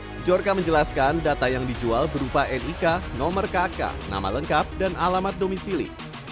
pjorka menjelaskan data yang dijual berupa nik nomor kk nama lengkap dan alamat domisili